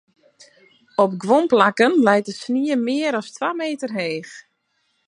Op guon plakken leit de snie mear as twa meter heech.